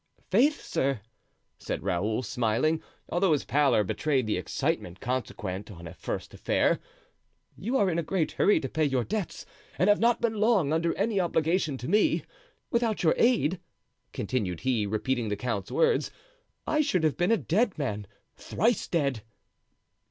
"Faith, sir," said Raoul, smiling, although his pallor betrayed the excitement consequent on a first affair, "you are in a great hurry to pay your debts and have not been long under any obligation to me. Without your aid," continued he, repeating the count's words "I should have been a dead man—thrice dead."